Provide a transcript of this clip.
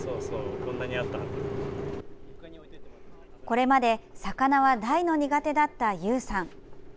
これまで魚は大の苦手だった、ゆうさん。